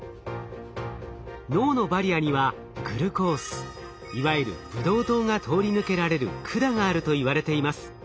脳のバリアにはグルコースいわゆるブドウ糖が通り抜けられる管があるといわれています。